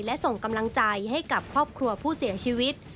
และส่งกำลังใจให้กับครอบครัวผู้เสียชีวิต